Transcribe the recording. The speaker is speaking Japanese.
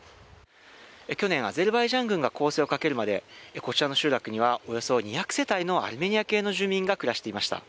去年アゼルバイジャン軍が攻勢をかけるまでこちらの集落にはおよそ２００世帯のアルメニア系の住民が暮らしていました。